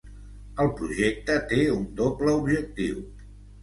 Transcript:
El projecte té un doble objectiu.